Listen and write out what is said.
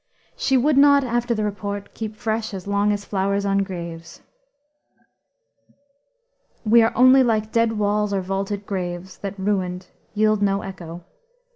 "She would not after the report keep fresh As long as flowers on graves." "We are only like dead walls or vaulted graves, That, ruined, yield no echo.